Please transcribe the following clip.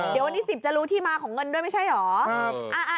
เดี๋ยววันนี้๑๐จะรู้ที่มาของเงินด้วยไม่ใช่เหรอ